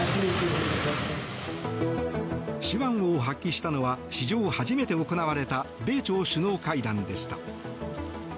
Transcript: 手腕を発揮したのは史上初めて行われた米朝首脳会談でした。